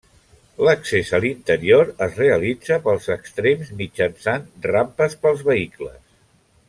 L'accés a l'interior es realitza pels extrems mitjançant rampes pels vehicles.